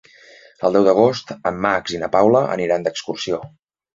El deu d'agost en Max i na Paula aniran d'excursió.